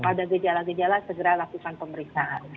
kalau ada gejala gejala segera lakukan pemeriksaan